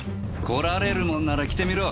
来られるもんなら来てみろ。